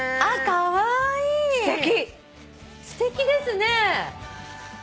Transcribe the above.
すてきですね。